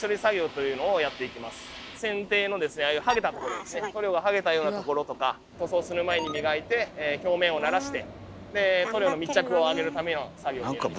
船底のですねああいう塗料がはげたようなところとか塗装する前に磨いて表面をならして塗料の密着を上げるための作業になります。